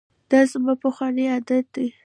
دا زما پخوانی عادت دی.